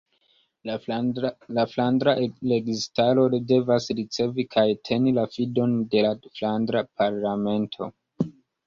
La Flandra Registaro devas ricevi kaj teni la fidon de la Flandra Parlamento.